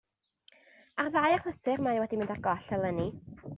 Ar ddau achlysur mae wedi mynd ar goll eleni